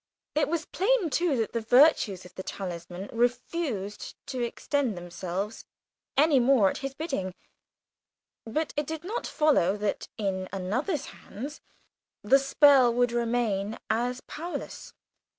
It was plain too that the virtues of the talisman refused to exert themselves any more at his bidding. But it did not follow that in another's hands the spell would remain as powerless.